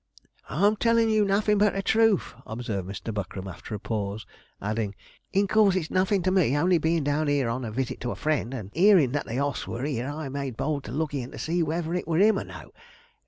'I'm tellin' you nothin' but the truth,' observed Mr. Buckram, after a pause, adding, 'in course it's nothin' to me, only bein' down here on a visit to a friend, and 'earin' that the oss were 'ere, I made bold to look in to see whether it was 'im or no.